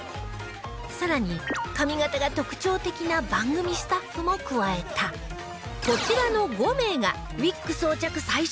更に髪形が特徴的な番組スタッフも加えたこちらの５名がウィッグ装着最終候補者に